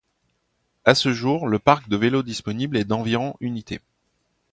À ce jour, le parc de vélo disponible est d'environ unités.